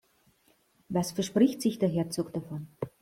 Was verspricht sich der Herzog davon?